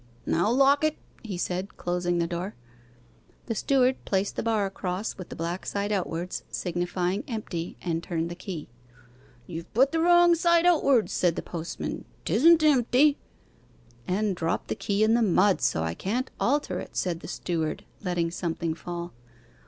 'Now lock it,' he said, closing the door. The steward placed the bar across, with the black side outwards, signifying 'empty,' and turned the key. 'You've put the wrong side outwards!' said the postman. ''Tisn't empty.' 'And dropped the key in the mud, so that I can't alter it,' said the steward, letting something fall.